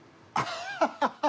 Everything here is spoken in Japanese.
ハハハハ！